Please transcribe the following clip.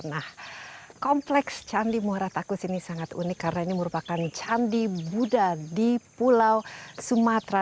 nah kompleks candi muara takus ini sangat unik karena ini merupakan candi buddha di pulau sumatera